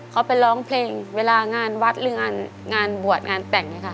เขาไปร้องเพลงเวลางานวัดหรืองานบวชงานแต่งเนี่ยค่ะ